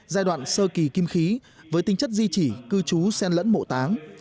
giai đoạn sơ kỳ kim khí với tinh chất di chỉ cư chú xen lẫn mộ táng